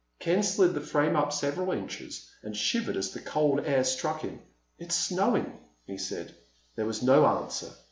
Ken slid the frame up several inches and shivered as the cold air struck him. "It's snowing," he said. There was no answer.